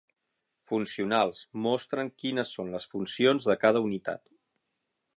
Funcionals: mostren quines són les funcions de cada unitat.